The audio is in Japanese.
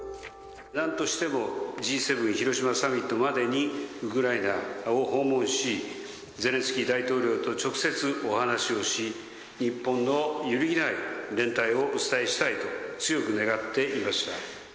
なんとしてもＧ７広島サミットまでにウクライナを訪問し、ゼレンスキー大統領と直接お話をし、日本の揺るぎない連帯をお伝えしたいと強く願っていました。